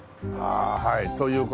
ああはい。